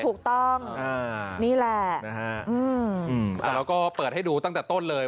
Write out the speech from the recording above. ถูกต้องนี่แหละนะฮะเราก็เปิดให้ดูตั้งแต่ต้นเลย